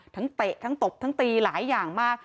เตะทั้งตบทั้งตีหลายอย่างมาก